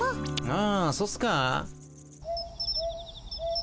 あそっすか？